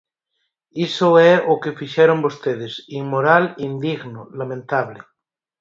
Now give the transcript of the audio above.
Iso é o que fixeron vostedes; inmoral, indigno, lamentable.